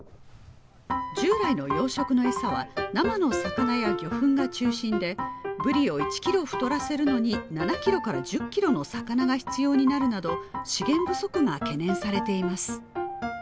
従来の養殖のエサは生の魚や魚粉が中心でブリを１ｋｇ太らせるのに７ｋｇから１０ｋｇの魚が必要になるなど資源不足の懸念されています